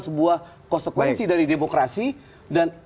sebuah konsekuensi dari demokrasi dan